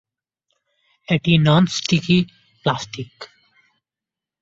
এটি non-sticky plastic.